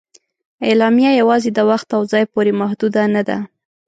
اعلامیه یواځې د وخت او ځای پورې محدود نه ده.